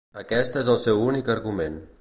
Aquest és el seu únic argument.